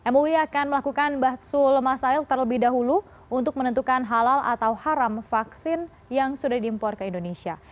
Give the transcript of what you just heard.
mui akan melakukan bahsul masail terlebih dahulu untuk menentukan halal atau haram vaksin yang sudah diimpor ke indonesia